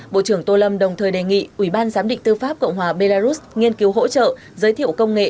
bộ trưởng tô lâm đồng thời đề nghị ủy ban giám định tư pháp cộng hòa belarus nghiên cứu hỗ trợ giới thiệu công nghệ